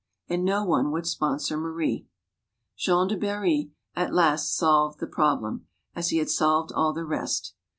And no one would sponsor Marie. Jean du Barry, at last, solved the problem, as he had solved all the rest.